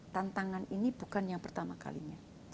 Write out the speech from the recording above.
tantangan ini bukan yang pertama kalinya